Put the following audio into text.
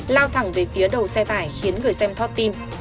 lao thẳng về phía đầu xe tải khiến người xem thoát tin